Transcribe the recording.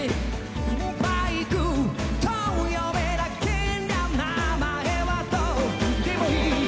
「バイクと呼べなけりゃ名前はどうでもいい」